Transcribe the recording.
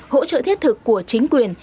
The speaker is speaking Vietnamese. hỗ trợ thiết thực của chính quyền